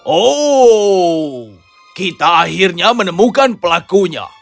oh kita akhirnya menemukan pelakunya